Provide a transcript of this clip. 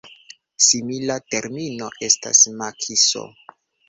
Simila termino estas makiso.